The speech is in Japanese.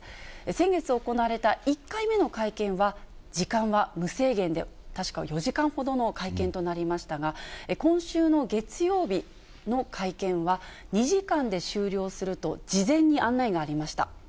先月行われた１回目の会見は時間は無制限で、確か４時間ほどの会見となりましたが、今週の月曜日の会見は、２時間で終了すると、事前に案内がありました。